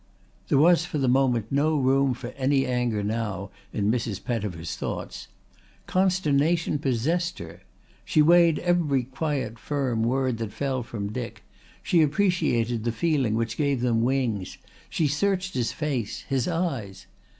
There was for the moment no room for any anger now in Mrs. Pettifer's thoughts. Consternation possessed her. She weighed every quiet firm word that fell from Dick, she appreciated the feeling which gave them wings, she searched his face, his eyes.